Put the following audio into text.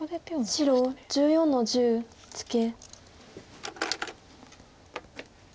白１４の十ツケ。